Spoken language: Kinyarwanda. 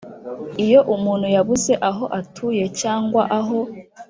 Iyo umuntu yabuze aho atuye cyangwa aho